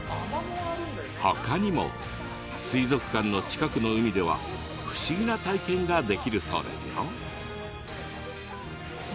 ほかにも水族館の近くの海では不思議な体験ができるそうですよ。